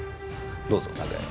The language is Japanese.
どうぞ中へ。